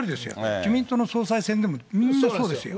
自民党の総裁選でもみんな、そうですよ。